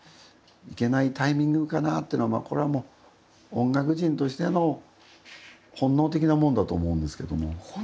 いけないタイミングかなってのはまあ、これはもう音楽人としての本能的なもんだと思うんですけども。